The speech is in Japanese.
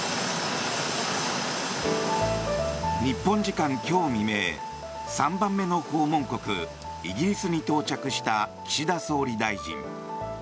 日本時間今日未明３番目の訪問国、イギリスに到着した岸田総理大臣。